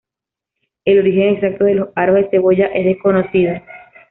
El origen exacto de los aros de cebolla es desconocido.